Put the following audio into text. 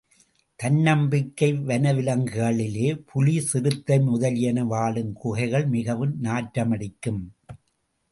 தன்னம்பிக்கை வன விலங்குகளிலே புலி சிறுத்தை முதலியன வாழும் குகைகள் மிகவும் நாற்றமடிக்கும்.